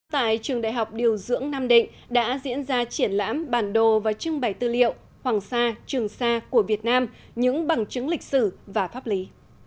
tại trường đại học điều dưỡng nam định đã diễn ra triển lãm bản đồ và trưng bày tư liệu hoàng sa trường sa của việt nam những bằng chứng lịch sử và pháp lý